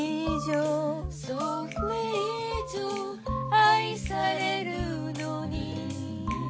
「愛されるのに」